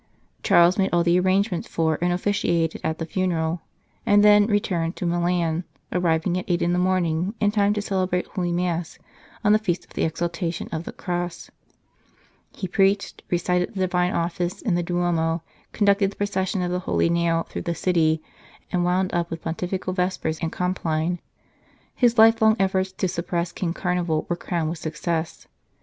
Charles made all the arrangements for, and officiated at, the funeral, and then returned to Milan, arriving at eight in the morning, in time to celebrate Holy Mass on the Feast of the Exalta 224 " What went you out to see ?" tion of the Cross. He preached, recited the Divine Office in the Duomo, conducted the Pro cession of the Holy Nail through the city, and wound up with pontifical Vespers and Compline. His lifelong efforts to suppress King Carnival were crowned with success.